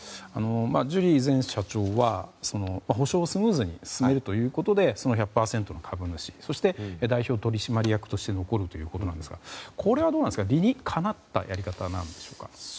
ジュリー前社長は補償をスムーズに進めるということで１００％の株主、そして代表取締役として残るということですがこれは理にかなったやり方なんでしょうか。